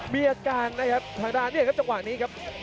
มีอาการนะครับทางด้านเนี่ยครับจังหวะนี้ครับ